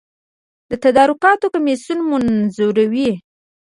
د تدارکاتو کمیسیون منظوروي